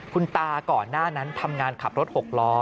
คุณตาก่อนหน้านั้นทำงานขับรถหกล้อ